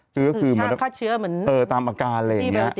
คือแค่ช่างฆ่าเชื้อเออตามอาการอะไรอย่างนี้